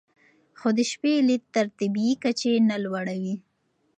خو د شپې لید تر طبیعي کچې نه لوړوي.